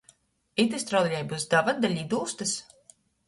Itys trolejbuss davad da lidūstys?